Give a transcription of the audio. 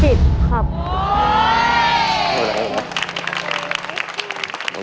ถูกถูกถูกถูกถูกถูก